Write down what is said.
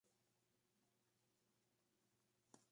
Guillermo González Fuenmayor, Mons.